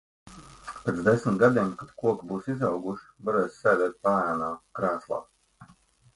Pēc desmit gadiem kad koki būs izauguši, varēsi sēdēt paēnā, krēslā.